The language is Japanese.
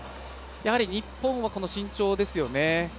やはり日本は、この身長ですよね。